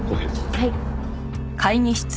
はい。